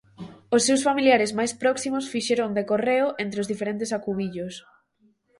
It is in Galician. Os seus familiares máis próximos fixeron de correo entre os diferentes acubillos.